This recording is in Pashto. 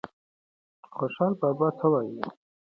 خوشال بابا څه وایي؟